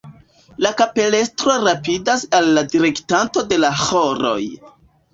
La kapelestro rapidas al la direktanto de la ĥoroj.